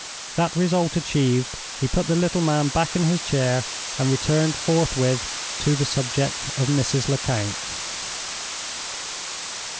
That result achieved, he put the little man back in his chair, and returned forthwith to the subject of Mrs. Lecount.